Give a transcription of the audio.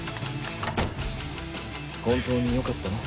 本当によかったの？